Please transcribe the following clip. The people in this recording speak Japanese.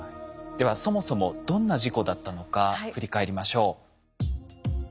ではそもそもどんな事故だったのか振り返りましょう。